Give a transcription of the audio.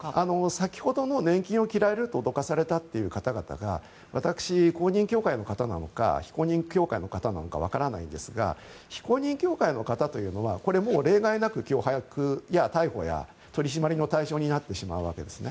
先ほどの年金を切られると脅かされた方々が私、公認教会の方なのか非公認教会の方なのかわからないんですが非公認教会の方というのはこれもう例外なく脅迫や逮捕や取り締まりの対象になってしまうわけですね。